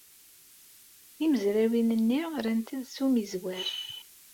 Timezrawin-nni rrant-d s ummizwer.